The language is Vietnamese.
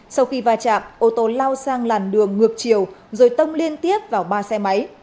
sau khi va chạm ô tô lao sang làn đường ngược chiều rồi tông liên tiếp vào ba xe máy